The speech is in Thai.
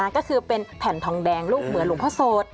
ก็คือเป็นแผ่นทองแดงรูปเหมือนหลวงพ่อโสด